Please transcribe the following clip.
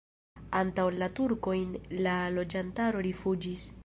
Antaŭ la turkojn la loĝantaro rifuĝis.